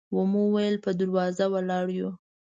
و مو ویل په دروازه ولاړ یو.